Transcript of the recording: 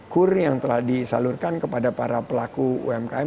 kur yang telah disalurkan kepada para pelaku umkm